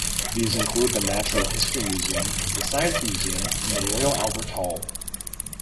These include the Natural History Museum, the Science Museum and the Royal Albert Hall.